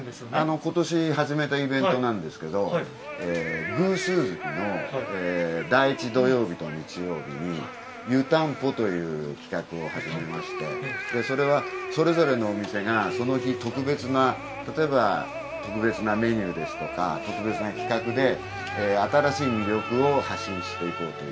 今年始めたイベントですが偶数月の第１土曜日と日曜日に湯たんぽという企画が始まりましてそれぞれのお店がその日特別な例えば特別なメニューですとか特別な企画で、新しい魅力を発信していこうという。